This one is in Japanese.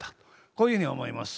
こういうふうに思います。